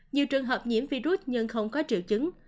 nhiều trường hợp nhiễm virus nhưng không có triệu chứng